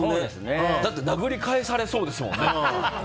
だって殴り返されそうですよ。